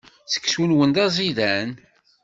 Seksu-nwen d aẓidan.